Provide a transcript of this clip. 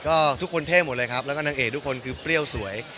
ก็ทุกคนเท่หมดเลยครับแล้วก็นางเอกทุกคนคือเปรี้ยวสวย